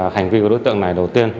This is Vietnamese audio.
hành vi của đối tượng này đầu tiên